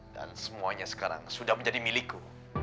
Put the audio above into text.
dan semuanya sekarang sudah menjadi milikku